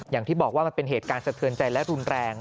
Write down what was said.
อย่างที่บอกว่ามันเป็นเหตุการณ์สะเทือนใจและรุนแรง